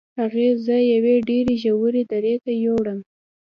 هغه زه یوې ډیرې ژورې درې ته یووړم.